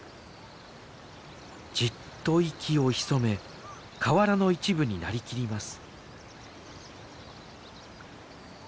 じっと息を潜め河原の一部になりきります。